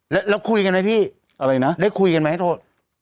แล้วคุยกันไหมพี่อะไรนะได้คุยกันไหมโทษ